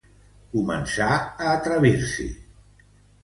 Comença a atrevir-s'hi.